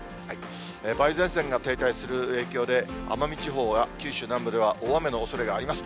梅雨前線が停滞する影響で奄美地方や九州南部では大雨のおそれがあります。